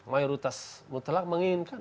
mayoritas mutlak menginginkan